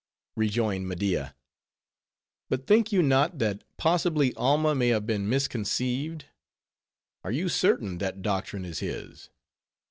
Rejoined Media: "But think you not, that possibly, Alma may have been misconceived? Are you certain that doctrine is his?"